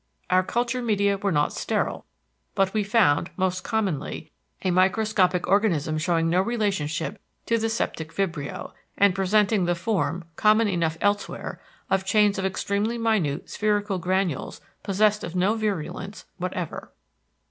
Our culture media were not sterile, but we found—most commonly—a microscopic organism showing no relationship to the septic vibrio, and presenting the form, common enough elsewhere, of chains of extremely minute spherical granules possessed of no virulence whatever.